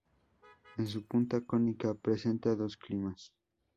En su punta cónica presenta dos cimas.